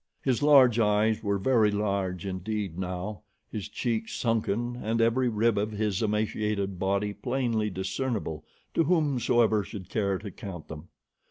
His large eyes were very large indeed now, his cheeks sunken, and every rib of his emaciated body plainly discernible to whomsoever should care to count them.